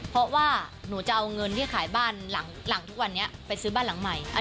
เพราะว่าหนูจะเอาเงินที่ขายบ้านหลังทุกวันนี้ไปซื้อบ้านหลังใหม่